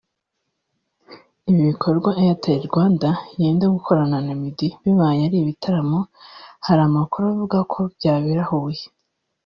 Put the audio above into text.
Ibi bikorwa Airtel Rwanda yenda gukorana na Meddy bibaye ari ibitaramo hari amakuru avuga ko byabera Huye